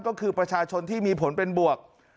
ก็คือประชาชนที่มีผลเป็นบวก